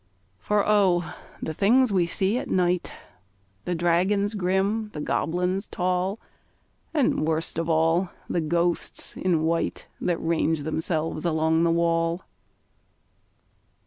For O! the things we see at night The dragons grim, the goblins tall, And, worst of all, the ghosts in white That range themselves along the wall!